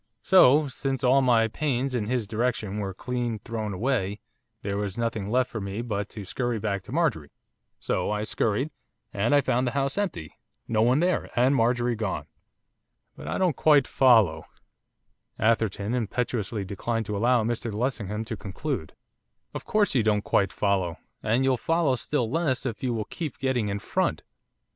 So, since all my pains in his direction were clean thrown away, there was nothing left for me but to scurry back to Marjorie, so I scurried, and I found the house empty, no one there, and Marjorie gone.' 'But, I don't quite follow ' Atherton impetuously declined to allow Mr Lessingham to conclude. 'Of course you don't quite follow, and you'll follow still less if you will keep getting in front.